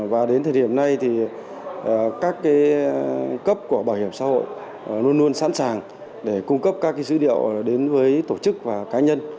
và đến thời điểm này thì các cấp của bảo hiểm xã hội luôn luôn sẵn sàng để cung cấp các dữ liệu đến với tổ chức và cá nhân